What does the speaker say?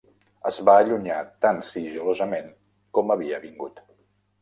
Es va allunyar tan sigil·losament com havia vingut.